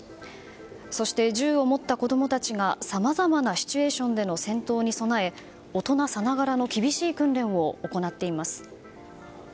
そして、銃を持った子供たちがさまざまなシチュエーションでの戦闘に備え大人さながらの厳しい訓練を行っています。